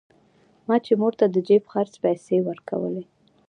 ما چې مور ته د جيب خرڅ پيسې ورکولې.